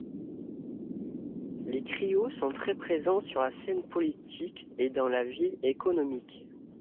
Les Krio sont très présents sur la scène politique et dans la vie économique.